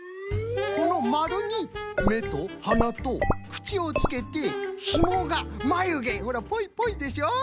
このまるにめとはなとくちをつけてひもがまゆげほらぽいぽいでしょ？